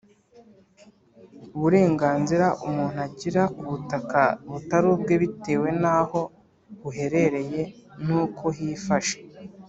uburenganzira umuntu agira ku butaka butari ubwe bitewe n’aho buherereye n’uko hifashe